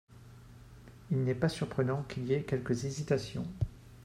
Il n’est pas surprenant qu’il y ait quelques hésitations.